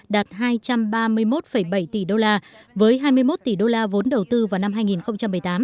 đạt hai trăm ba mươi một bảy tỷ đô la với hai mươi một tỷ đô la vốn đầu tư vào năm hai nghìn một mươi tám